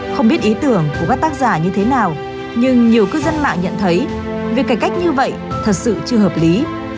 không biết ý tưởng của các tác giả như thế nào nhưng nhiều cư dân mạng nhận thấy việc cải cách như vậy thật sự chưa hợp lý